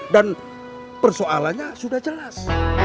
dan persoalannya sudah jelas